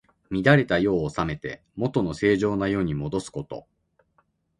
乱れた世を治めて、もとの正常な世にもどすこと。